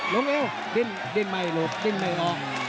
ลงเอวดินดินใหม่หลบดินใหม่ออก